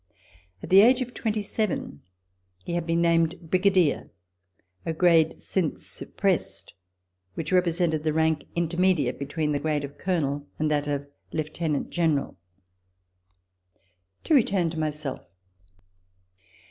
At the age of twenty seven he had been named Brigadier, a grade since suppressed, which represented the rank intermediate between the grade of Colonel and that of Lieutenant General. To return to myself.